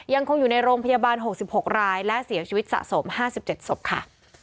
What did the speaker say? ยังคงอยู่ในโรงพยาบาล๖๖รายและเสียชีวิตสะสม๕๗ศพค่ะ